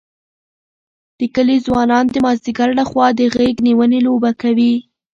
د کلي ځوانان د مازدیګر لخوا د غېږ نیونې لوبه کوي.